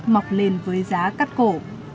mọc lên với giá cắt cổ